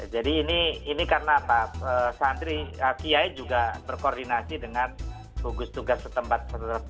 jadi ini karena santri kiai juga berkoordinasi dengan gugus tugas setempat